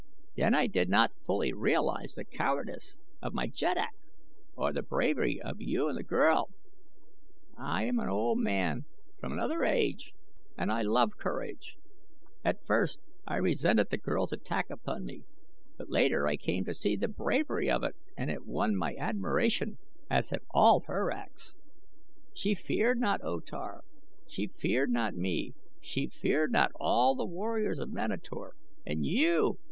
"Then I did not fully realize the cowardice of my jeddak, or the bravery of you and the girl. I am an old man from another age and I love courage. At first I resented the girl's attack upon me, but later I came to see the bravery of it and it won my admiration, as have all her acts. She feared not O Tar, she feared not me, she feared not all the warriors of Manator. And you!